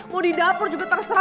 mau di dapur juga terserap